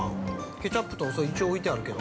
ケチャップとか置いてあるけど。